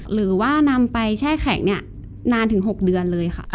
หรือว่านำไปแช่แข็งเนี่ยนานถึง๖เดือนเลยค่ะ